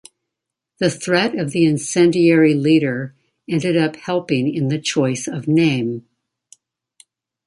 The threat of the incendiary leader ended up helping in the choice of name.